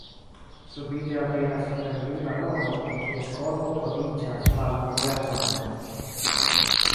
Subite aperas super li balono, en kies korbo troviĝas balon-vojaĝanto.